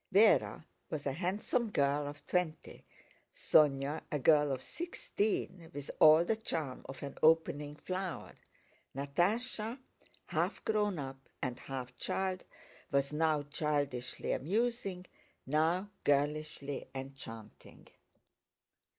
Véra was a handsome girl of twenty; Sónya a girl of sixteen with all the charm of an opening flower; Natásha, half grown up and half child, was now childishly amusing, now girlishly enchanting.